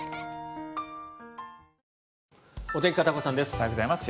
おはようございます。